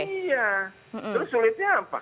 terus sulitnya apa